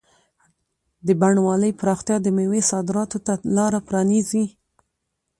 د بڼوالۍ پراختیا د مېوو صادراتو ته لاره پرانیزي.